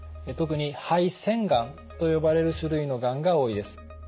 特に肺腺がんと呼ばれる種類のがんが多いです。